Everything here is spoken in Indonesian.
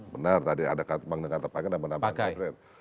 benar tadi ada kata pake dan menambahkan caption